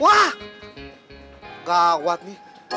wah gak kuat nih